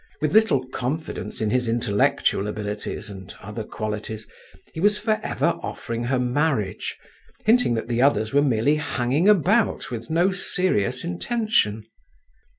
With little confidence in his intellectual abilities and other qualities, he was for ever offering her marriage, hinting that the others were merely hanging about with no serious intention.